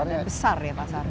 dan besar ya pasarnya